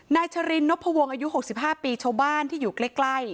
นายชะรินนพวงอายุหกสิบห้าปีโชว์บ้านที่อยู่ใกล้ใกล้